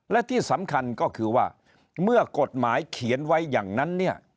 และที่สำคัญก็คือว่าเมื่อกฎหมายเขียนไว้อย่างนั้นเนี่ย